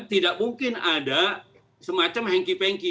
tidak mungkin ada semacam hengki pengki